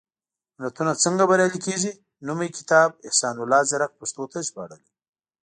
ملتونه څنګه بریالي کېږي؟ نومي کتاب، احسان الله ځيرک پښتو ته ژباړلی.